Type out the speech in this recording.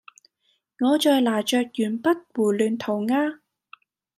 我在拿著鉛筆胡亂塗鴉